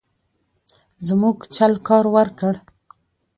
زموږ چل کار ورکړ.